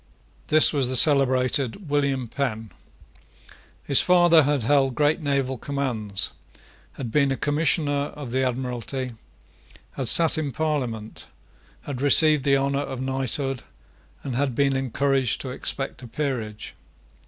This was the celebrated William Penn. His father had held great naval commands, had been a Commissioner of the Admiralty, had sate in Parliament, had received the honour of knighthood, and had been encouraged to expect a peerage.